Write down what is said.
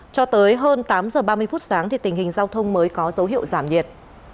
cho tới hơn tám giờ ba mươi phút sáng thì tình hình giao thông mới có dấu hiệu giảm nhiệt